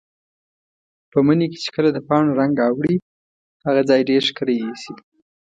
په مني کې چې کله د پاڼو رنګ اوړي، هغه ځای ډېر ښکلی ایسي.